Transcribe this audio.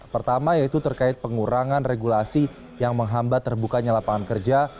pertama yaitu terkait pengurangan regulasi yang menghambat terbukanya lapangan kerja